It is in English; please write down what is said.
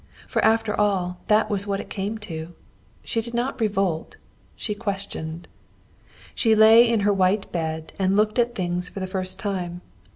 For after all that was what it came to. She did not revolt. She questioned. She lay in her white bed and looked at things for the first time.